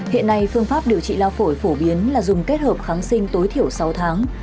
hiện nay phương pháp điều trị lao phổi phổ biến là dùng kết hợp kháng sinh tối thiểu sáu tháng